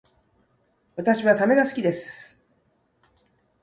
私はサメが好きです